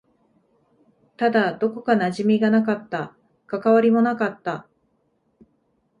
ただ、どこか馴染みがなかった。関わりもなかった。